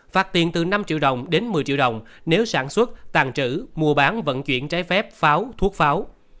phạt tiền từ năm triệu đồng đến một mươi triệu đồng nếu sản xuất tàn trữ mua bán vận chuyển trái phép pháo thuốc pháo